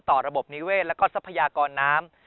ระบบนิเวศและก็ทรัพยากรน้ำ